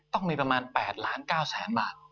ต้องมีประมาณ๘๙๐๐๐๐๐บาท